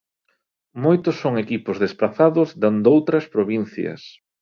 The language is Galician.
Moitos son equipos desprazados dende outras provincias.